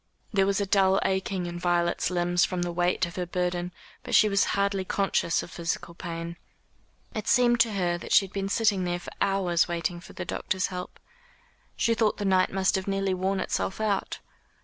There was a dull aching in Violet's limbs from the weight of her burden, but she was hardly conscious of physical pain. It seemed to her that she had been sitting there for hours waiting for the doctor's help. She thought the night must have nearly worn itself out.